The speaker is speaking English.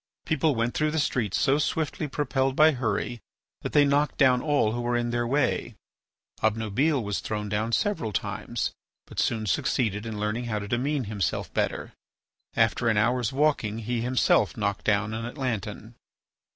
People went through the streets so swiftly propelled by hurry that they knocked down all who were in their way. Obnubile was thrown down several times, but soon succeeded in learning how to demean himself better; after an hour's walking he himself knocked down an Atlantan.